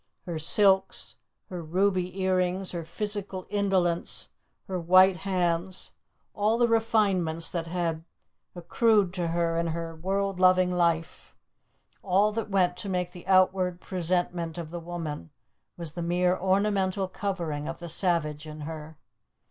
Her silks, her ruby earrings, her physical indolence, her white hands, all the refinements that had accrued to her in her world loving life, all that went to make the outward presentment of the woman, was the mere ornamental covering of the savage in her.